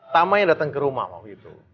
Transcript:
tama yang datang ke rumah waktu itu